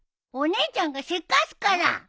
お姉ちゃんがせかすから！